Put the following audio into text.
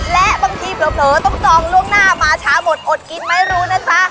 และบางทีเผลอต้องจองล่วงหน้ามาช้าหมดอดกินไม่รู้นะจ๊ะ